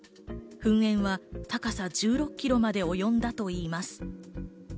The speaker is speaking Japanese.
噴煙は高さ１６キロまでおよんだといいます。